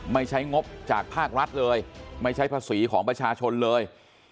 ไม่ใช้งบจากภาครัฐเลยไม่ใช้ภาษีของประชาชนเลย